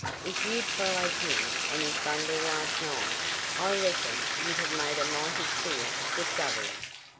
If you'd followed him and his bundle last night I reckon you'd have made a mighty queer discovery.